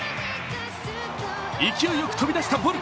勢いよく飛び出したボル。